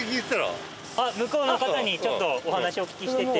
向こうの方にちょっとお話お聞きしてて。